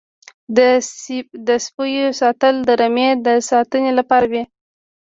د سپیو ساتل د رمې د ساتنې لپاره وي.